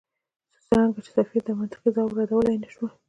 څرنګه چې سفیر دا منطقي ځواب ردولای نه شوای.